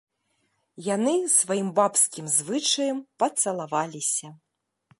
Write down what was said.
Яны, сваім бабскім звычаем, пацалаваліся.